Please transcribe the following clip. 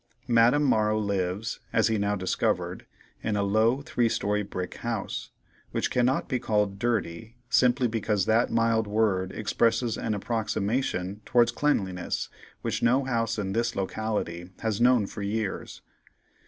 Madame Morrow lives, as he now discovered, in a low, three story brick house, which cannot be called dirty, simply because that mild word expresses an approximation towards cleanliness which no house in this locality has known for years.